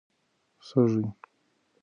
سږی